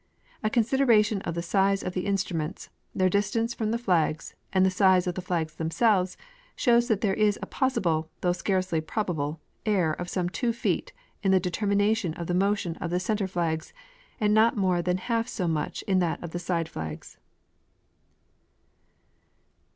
A consideration of the size of the instruments, their distance from the flags, and the size of the flags themselves, shows that there is a possible, though scarcely probable, error of some two feet in the determination of the motion of the center flags, and not more than half so much in that of the side flags.